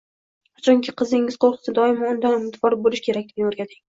Qachonki qizingiz qo‘rqsa, doimo Undan umidvor bo‘lishi kerakligini o'rgating.